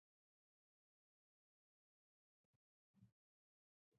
او کله چي زه تاته مخه ښه وایم